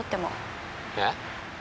えっ？